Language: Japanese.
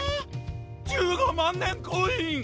１５まんねんコイン！